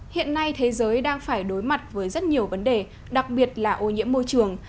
hiện nay thế giới đang phải đối mặt với rất nhiều vấn đề đặc biệt là ô nhiễm môi trường